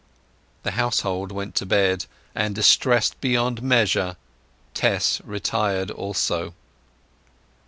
The household went to bed, and, distressed beyond measure, Tess retired also.